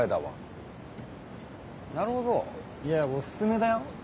いやおすすめだよ。